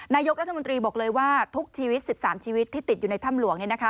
นายกรัฐมนตรีบอกเลยว่าทุกชีวิต๑๓ชีวิตที่ติดอยู่ในถ้ำหลวง